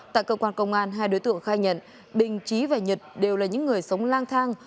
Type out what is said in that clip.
tại cơ quan công an hai đối tượng khai nhận bình trí và nhật đều là những người sống lang thang